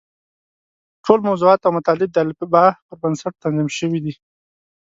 ټول موضوعات او مطالب د الفباء پر بنسټ تنظیم شوي دي.